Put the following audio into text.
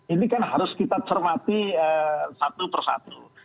ini kan harus kita cermati satu persatu